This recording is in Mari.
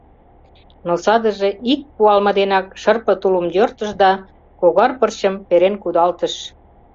Но садыже ик пуалме денак шырпе тулым йӧртыш да когар пырчым перен кудалтыш.